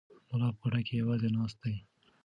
ملا په کوټه کې یوازې ناست دی.